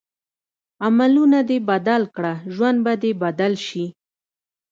عملونه دې بدل کړه ژوند به دې بدل شي.